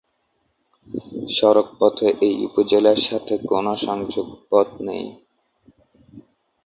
সড়ক পথে এই উপজেলার সাথে কোন সংযোগ পথ নেই।